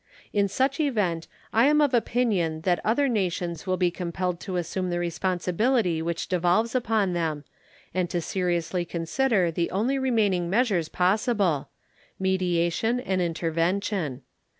In such event I am of opinion that other nations will be compelled to assume the responsibility which devolves upon them, and to seriously consider the only remaining measures possible mediation and intervention.